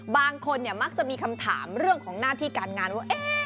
บางคนมักจะมีคำถามเรื่องของหน้าที่การงานว่า